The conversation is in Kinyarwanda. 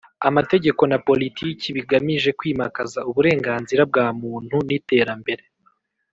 Amategeko na politiki bigamije kwimakaza uburenganzira bwa muntu n iterambere